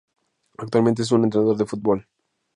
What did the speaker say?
Actualmente es un entrenador de fútbol.